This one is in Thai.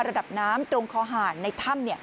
ระดับน้ำตรงคอหารในถ้ำ